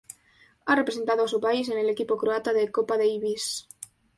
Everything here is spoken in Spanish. Ha representado a su país en el Equipo croata de Copa Davis.